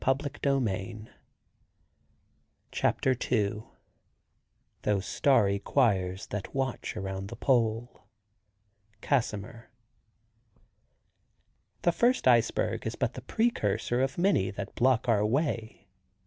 [Illustration: Decoration] "Those starry choirs that watch around the pole." —Casimir. The first iceberg is but the precursor of many that block our way.